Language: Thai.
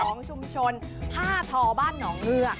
ชุมชนผ้าทอบ้านหนองเงือก